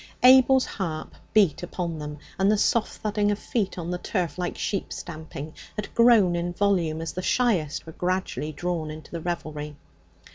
Abel's harp beat upon them, and the soft thudding of feet on the turf, like sheep stamping, had grown in volume as the shyest were gradually drawn into the revelry.